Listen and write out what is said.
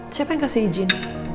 siapa yang kasih izin